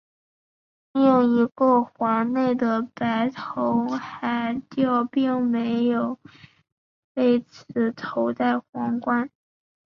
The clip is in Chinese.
另一个环内的白头海雕并没有为此头戴皇冠。